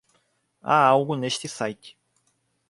Há algo neste site.